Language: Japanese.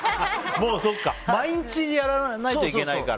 毎日やらないといけないから。